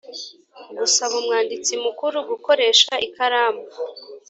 gusaba Umwanditsi Mukuru gukoresha ikaramu